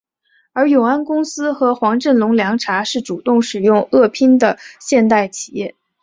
而永安公司和黄振龙凉茶是主动使用粤拼的现代企业。